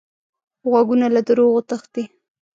غوږونه له دروغو تښتي